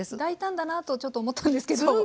大胆だなとちょっと思ったんですけど。